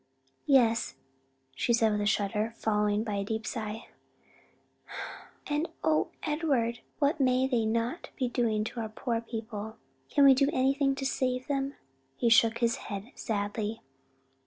"Yes," she said with a shudder, followed by a deep sigh, "and O Edward what may they not be doing to our poor people? can we do anything to save them?" He shook his head sadly.